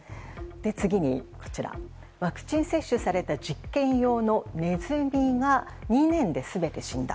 次に、ワクチン接種された実験用のネズミが２年で全て死んだ。